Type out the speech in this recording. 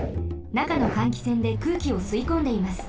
なかの換気扇で空気をすいこんでいます。